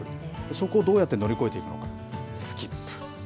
そこをどうやって乗り越えていくのか、スキップ。